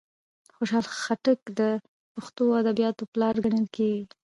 خوشال خټک د پښتو ادبیاتوپلار کڼل کیږي.